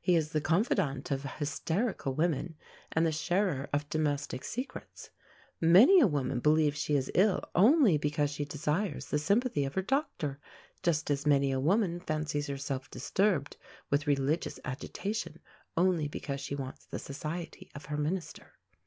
He is the confidant of hysterical women and the sharer of domestic secrets. Many a woman believes she is ill only because she desires the sympathy of her doctor, just as many a woman fancies herself disturbed with religious agitation only because she wants the society of her minister.